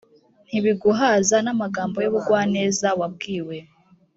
ntibiguhaza n amagambo y ubugwaneza wabwiwe